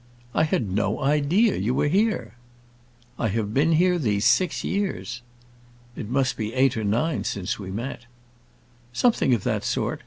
"I had no idea you were here." "I have been here these six years." "It must be eight or nine since we met." "Something of that sort.